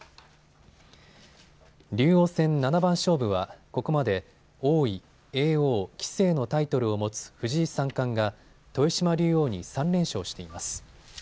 竜王戦七番勝負は、ここまで王位、叡王、棋聖のタイトルを持つ藤井三冠が豊島竜王に３連勝しています。